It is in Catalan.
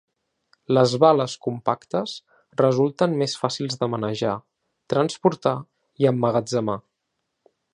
Les bales compactes resulten més fàcils de manejar, transportar i emmagatzemar.